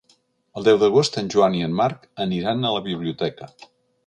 El deu d'agost en Joan i en Marc aniran a la biblioteca.